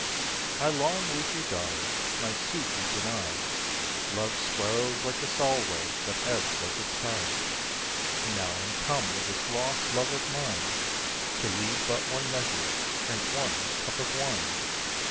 'I long woo'd your daughter, my suit you denied; Love swells like the Sol way, but ebbs like its tide; And now I am come with this lost Love of mine To lead but one measure, drink one cup of wine.